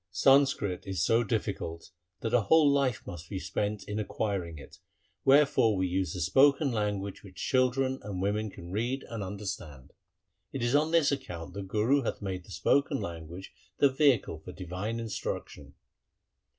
Sanskrit is so difficult that a whole life must be spent in acquiring it, wherefore we use the spoken language which children and women can read and understand. 1 It is on this account the Guru hath made the spoken language the vehicle for divine instruction.